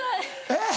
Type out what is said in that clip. えっ？